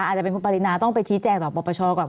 อาจจะเป็นคุณปรินาต้องไปชี้แจงต่อปรปชก่อน